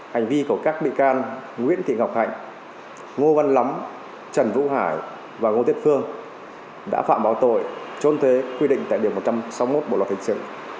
hành vi của các bị can nguyễn thị ngọc hạnh ngô văn lắm trần vũ hải và ngô tuyết phương đã phạm báo tội trốn thuế quy định tại điều một trăm sáu mươi một bộ luật hình sự